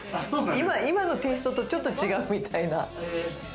今のテイストと、ちょっと違うみたいな。